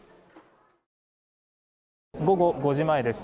午後５時前です。